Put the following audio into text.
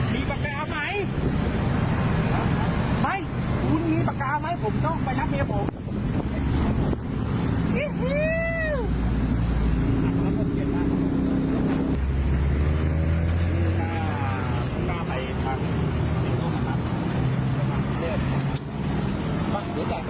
มีปากกาเอาไหมไปคุณมีปากกาไหมผมต้องไปรับเมียผม